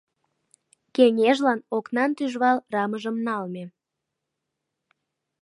Кеҥежлан окнан тӱжвал рамыжым налме.